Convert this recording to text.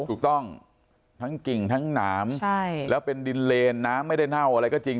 ถูกต้องทั้งกิ่งทั้งหนามแล้วเป็นดินเลนน้ำไม่ได้เน่าอะไรก็จริง